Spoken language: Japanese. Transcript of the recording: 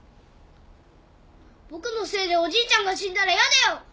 僕のせいでおじいちゃんが死んだら嫌だよ！